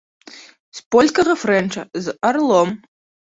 З польскага фрэнча, з арлом.